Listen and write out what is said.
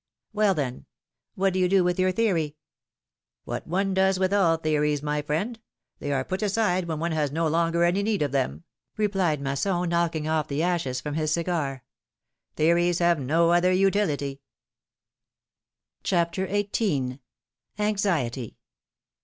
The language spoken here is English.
'^ Well, then ! what do you do with your theory?'^ What one does with all theories, my friend ; they are put aside when one has no longer any need of them,^^ replied Masson, knocking off the ashes from his cigar; theories have no other utility 150 I»HIL0M^:NE'S MARRIAGES. CHAPTER XVIII. ANXIETY.